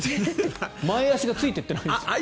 前足がついてってないんです。